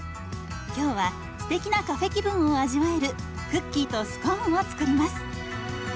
今日はすてきなカフェ気分を味わえるクッキーとスコーンを作ります。